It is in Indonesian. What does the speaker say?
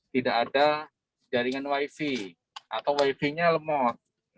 tidak ada jaringan wifi atau wifi nya lemot